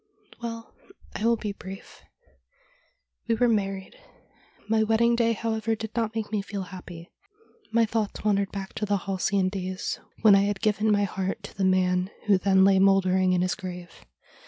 ' Well, I will be brief. We were married. My wedding day, however, did not make me feel happy. My thoughts wandered back to the halcyon days, when I had given my heart to the man who then lay mouldering in his grave.